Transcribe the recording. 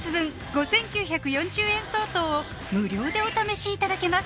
５９４０円相当を無料でお試しいただけます